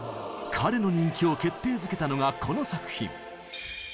彼の人気を決定づけたのがこの作品。